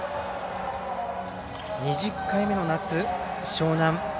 ２０回目の夏樟南。